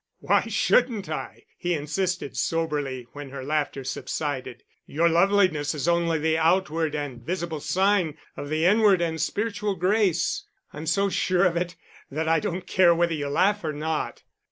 "Why shouldn't I?" he insisted soberly when her laughter subsided. "Your loveliness is only the outward and visible sign of the inward and spiritual grace. I'm so sure of it that I don't care whether you laugh or not."